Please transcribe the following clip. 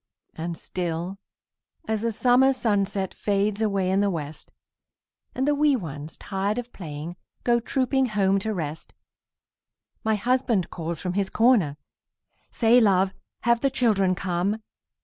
And still, as the summer sunset Fades away in the west, And the wee ones, tired of playing, Go trooping home to rest, My husband calls from his corner, "Say, love, have the children come?"